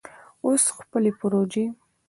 او خپلې پروژې